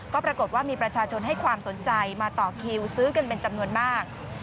ก็ปรากฏว่ามีประชาชนให้ความสนใจมาต่อคิวซื้อกันเป็นจำนวนมาก